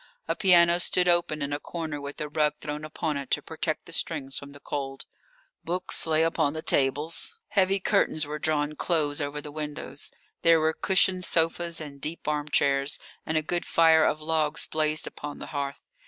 A piano stood open in a corner with a rug thrown upon it to protect the strings from the cold; books lay upon the tables, heavy curtains were drawn close over the windows, there were cushioned sofas and deep arm chairs, and a good fire of logs blazed upon the hearth.